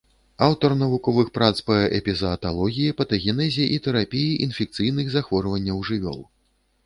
Аўтар навуковых прац па эпізааталогіі, патагенезе і тэрапіі інфекцыйных захворванняў жывёл.